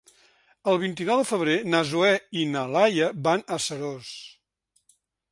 El vint-i-nou de febrer na Zoè i na Laia van a Seròs.